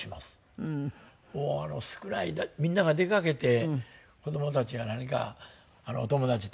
もう少ないみんなが出かけて子どもたちが何かお友達と。